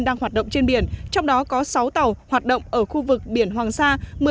đang hoạt động trên biển trong đó có sáu tàu hoạt động ở khu vực biển hoàng sa